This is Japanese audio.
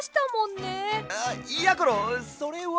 あっやころそれは。